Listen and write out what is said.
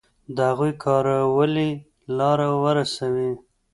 د هغوی کارولې لاره ورسوي.